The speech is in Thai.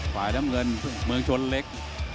ฝ่ายต้านเมืองเมืองชนเล็ก